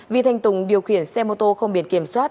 vì thành tùng điều khiển xe mô tô không biệt kiểm soát